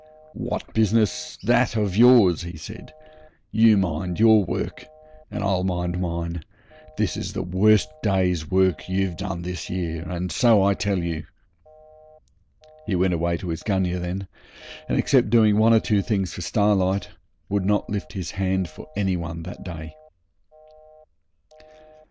'What business that of yours?' he said. 'You mind your work and I'll mind mine. This is the worst day's work you've done this year, and so I tell you.' He went away to his gunyah then, and except doing one or two things for Starlight would not lift his hand for any one that day.